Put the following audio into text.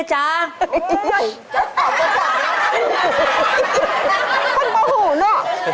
พร้อมนะ